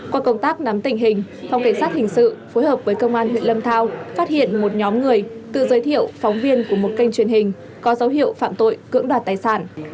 qua công tác nắm tình hình phòng cảnh sát hình sự phối hợp với công an huyện lâm thao phát hiện một nhóm người tự giới thiệu phóng viên của một kênh truyền hình có dấu hiệu phạm tội cưỡng đoạt tài sản